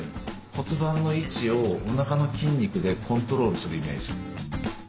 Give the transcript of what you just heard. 骨盤の位置をおなかの筋肉でコントロールするイメージで。